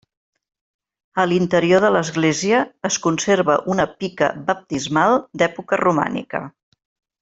A l'interior de l'església es conserva una pica baptismal d'època romànica.